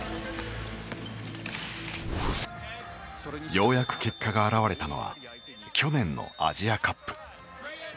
ようやく結果が現れたのは去年のアジアカップ。